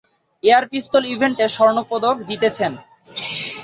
Air পিস্তল ইভেন্টে স্বর্ণ পদক জিতেছেন।